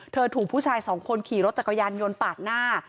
ถูกผู้ชายสองคนขี่รถจักรยานยนต์ปาดหน้า